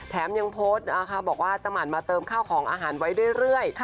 ยังโพสต์นะคะบอกว่าจะหมั่นมาเติมข้าวของอาหารไว้เรื่อย